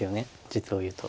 実をいうと。